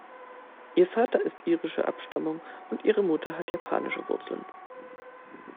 Ihr Vater ist irischer Abstammung und ihre Mutter hat japanische Wurzeln.